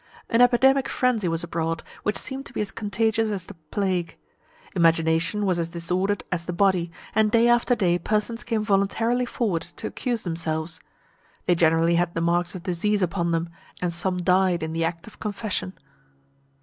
An epidemic frenzy was abroad, which seemed to be as contagious as the plague. Imagination was as disordered as the body, and day after day persons came voluntarily forward to accuse themselves. They generally had the marks of disease upon them, and some died in the act of confession.